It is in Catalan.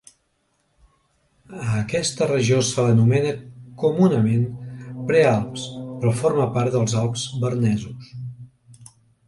A aquesta regió se l'anomena comunament "prealps", però forma part dels Alps bernesos.